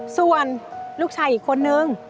ส่วนลูกชายอีกคนนึง